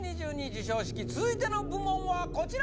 授賞式続いての部門はこちら！